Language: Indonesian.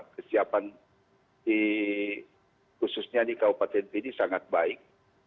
kesiapan khususnya di kabupaten pidi sangat baik